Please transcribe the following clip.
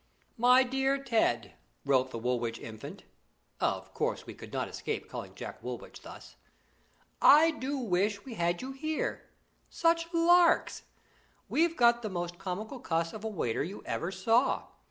"My dear Ted," wrote the Woolwich Infant (of course we could not escape calling Jack Woolwich thus), "I do wish we had you here. Such larks! We've got the most comical cuss of a waiter you ever saw.